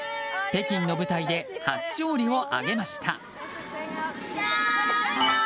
北京の舞台で初勝利を挙げました。